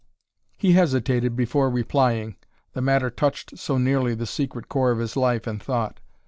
He hesitated before replying, the matter touched so nearly the secret core of his life and thought.